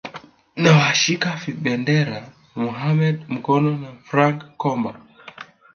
na washika vibendera Mohamed Mkono na Frank Komba